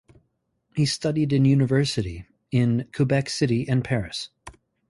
He studied in university in Quebec City and Paris.